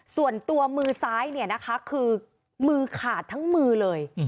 ส่วนตัวมือซ้ายคือมือขาดทั้งมือเลย